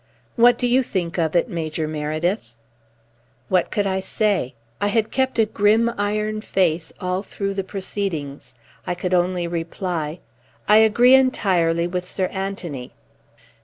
"What do you think of it, Major Meredyth?" What could I say? I had kept a grim iron face all through the proceedings. I could only reply: "I agree entirely with Sir Anthony."